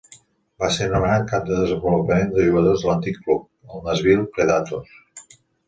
Va ser nomenat cap de desenvolupament de jugadors de l'antic club, els Nashville Predators.